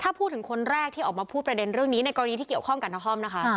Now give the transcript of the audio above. ถ้าพูดถึงคนแรกที่ออกมาพูดประเด็นเรื่องนี้ในกรณีที่เกี่ยวข้องกับนครนะคะ